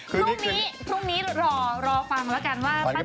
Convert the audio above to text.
กลุ่มนี้กลุ่มนี้รอฟังละกันว่า